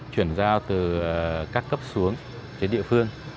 chuyển giao từ các cấp xuống đến địa phương